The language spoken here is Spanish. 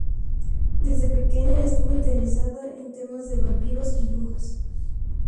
Desde pequeña estuvo interesada en temas de vampiros y brujas.